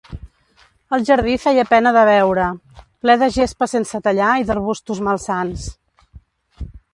El jardí feia pena de veure, ple de gespa sense tallar i d'arbustos malsans.